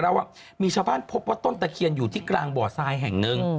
แล้วว่ามีชาวบ้านพบว่าต้นตะเคียนอยู่ที่กลางบ่อทรายแห่งหนึ่ง